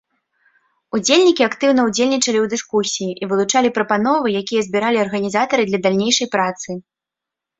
Удзельнікі актыўна ўдзельнічалі ў дыскусіі і вылучалі прапановы, якія збіралі арганізатары для далейшай працы.